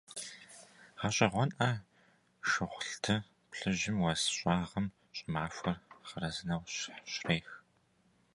ГъэщӀэгъуэнкъэ, шыгъулды плъыжьым уэс щӀагъым щӀымахуэр хъарзынэу щрех.